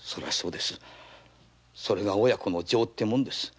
それが親子の情ってもんですよ。